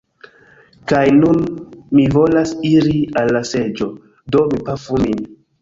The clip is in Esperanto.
Kaj nun mi volas iri al la seĝo, do mi pafu min.